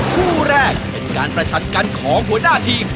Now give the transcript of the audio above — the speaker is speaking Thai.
คู่แรกเป็นการประชันกันของหัวหน้าทีม